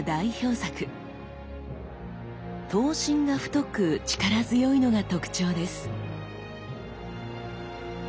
刀身が太く力強いのが特徴です。